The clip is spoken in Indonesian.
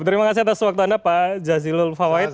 terima kasih atas waktu anda pak jazilul fawait